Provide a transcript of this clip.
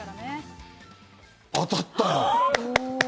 当たったよ。